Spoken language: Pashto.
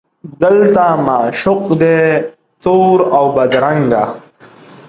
دلته معشوق دی تور اوبدرنګه